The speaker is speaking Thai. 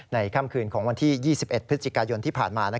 ค่ำคืนของวันที่๒๑พฤศจิกายนที่ผ่านมา